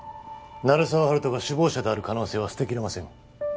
鳴沢温人が首謀者である可能性は捨てきれません